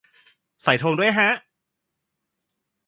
ใส่ธงด้วยฮะ